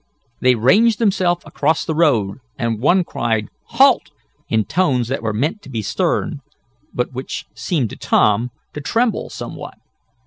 They ranged themselves across the road, and one cried: "Halt!" in tones that were meant to be stern, but which seemed to Tom, to tremble somewhat.